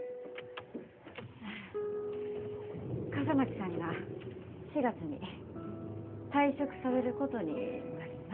笠巻さんが４月に退職されることになりました。